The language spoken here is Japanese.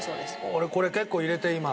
俺これ結構入れて今。